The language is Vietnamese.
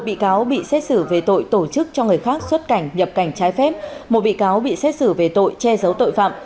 một bị cáo bị xét xử về tội tổ chức cho người khác xuất cảnh nhập cảnh trái phép một bị cáo bị xét xử về tội che giấu tội phạm